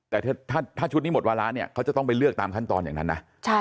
ประโยชน์ง็ต้องไปเลือกอยู่ตามชั้นตอนอย่างนั้นนะ